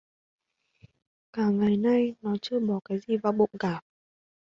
Cả ngày nay nó chưa bỏ cái gì vào bụng cả